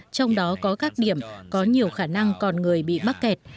trong đó có các điểm có nhiều khả năng còn người bị mắc kẹt